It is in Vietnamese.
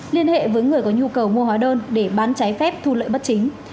liên hệ với người có nhu cầu mua hóa đơn để bán trái phép thu lợi bất chính